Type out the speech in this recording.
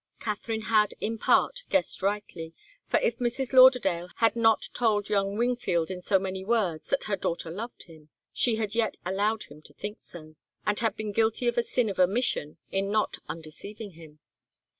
Katharine had, in part, guessed rightly, for if Mrs. Lauderdale had not told young Wingfield in so many words that her daughter loved him, she had yet allowed him to think so, and had been guilty of a sin of omission in not undeceiving him.